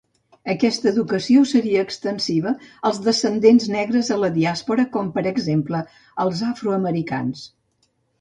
Aquesta educació seria extensiva als descendents negres a la diàspora, com per exemple els afroamericans.